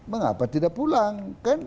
mengapa tidak pulang